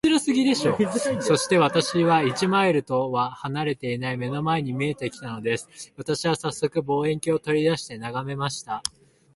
そして、私から一マイルとは離れていない眼の前に見えて来たのです。私はさっそく、望遠鏡を取り出して眺めました。